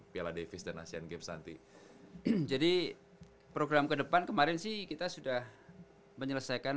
piala davis dan asean games nanti jadi program kedepan kemarin sih kita sudah menyelesaikan